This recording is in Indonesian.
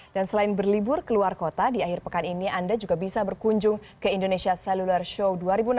dan selain berlibur keluar kota di akhir pekan ini anda juga bisa berkunjung ke indonesia cellular show dua ribu enam belas